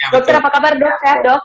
dokter apa kabar dok sehat dok